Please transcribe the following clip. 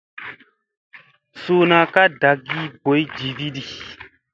Suuna ka ɗaagi boygi jiviɗi.